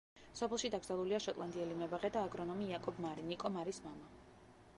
სოფელში დაკრძალულია შოტლანდიელი მებაღე და აგრონომი იაკობ მარი, ნიკო მარის მამა.